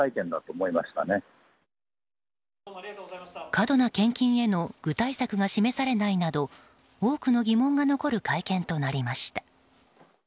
過度な献金への具体策が示されないなど多くの疑問が残る会見となりました。